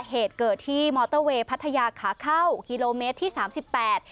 เหตุเกิดที่มอเตอร์เวย์พัทยาขาเข้ากิโลเมตรที่สามสิบแปด